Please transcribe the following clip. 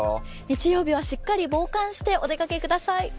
日曜日はしっかり防寒してお出かけください。